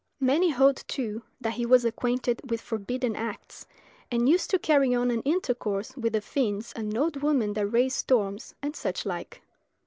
Many hold, too, that he was acquainted with forbidden acts, and used to carry on an intercourse with the fiends and old women that raised storms, and such like.